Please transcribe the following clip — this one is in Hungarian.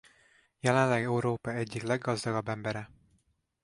Jelenleg Európa egyik leggazdagabb embere.